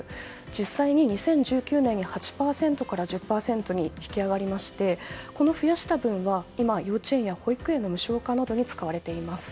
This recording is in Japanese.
実際に２０１９年に８％から１０％に引き上がりましてこの増やした分は今、幼稚園や保育園の無償化などに使われています。